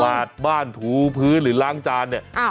วาดบ้านถูพื้นหรือล้างจานเนี่ย